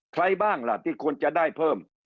ใครบ้างล่ะที่ควรจะได้เพิ่ม